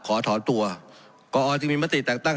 ขอถอนตัวกอจึงมีมติแต่งตั้ง